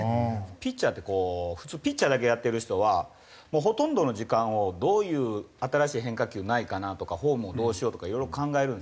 ピッチャーってこう普通ピッチャーだけやってる人はもうほとんどの時間をどういう新しい変化球ないかな？とかフォームをどうしよう？とかいろいろ考えるんですけど。